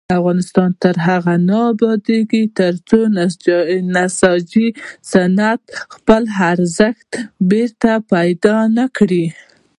افغانستان تر هغو نه ابادیږي، ترڅو د نساجي صنعت خپل ارزښت بیرته پیدا نکړي.